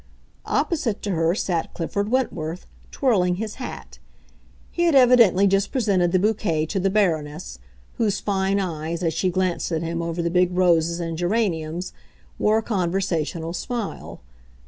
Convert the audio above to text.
Opposite to her sat Clifford Wentworth, twirling his hat. He had evidently just presented the bouquet to the Baroness, whose fine eyes, as she glanced at him over the big roses and geraniums, wore a conversational smile.